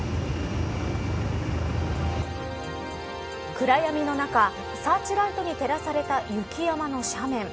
暗闇の中サーチライトに照らされた雪山の斜面。